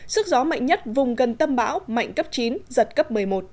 sức gió mạnh nhất vùng gần tâm bão mạnh cấp chín